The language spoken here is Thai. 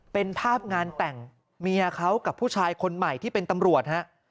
เป็นภาพงานแต่งเมียเขากับผู้ชายคนใหม่ที่เป็นตำรวจฮะ